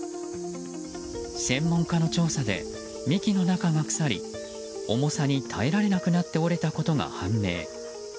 専門家の調査で幹の中が腐り重さに耐えられなくなって折れたことが判明。